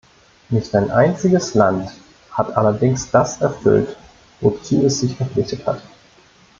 Nicht ein einziges Land hat allerdings das erfüllt, wozu es sich verpflichtet hat.